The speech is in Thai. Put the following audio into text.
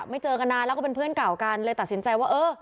เจอกันนานแล้วก็เป็นเพื่อนเก่ากันเลยตัดสินใจว่าเออ